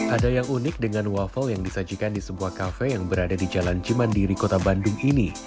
ada yang unik dengan waffle yang disajikan di sebuah kafe yang berada di jalan cimandiri kota bandung ini